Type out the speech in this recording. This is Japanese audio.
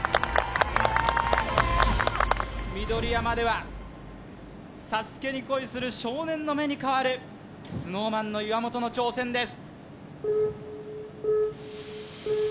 緑山ではＳＡＳＵＫＥに恋する少年の目に変わるＳｎｏｗＭａｎの岩本の挑戦です